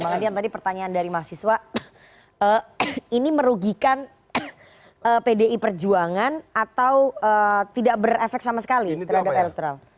bang adian tadi pertanyaan dari mahasiswa ini merugikan pdi perjuangan atau tidak berefek sama sekali terhadap elektoral